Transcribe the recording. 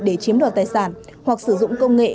để chiếm đoạt tài sản hoặc sử dụng công nghệ